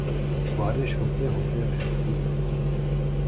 بارش ہوتے ہوتے رہ گئی